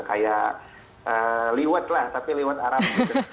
kayak liwet lah tapi liwet arab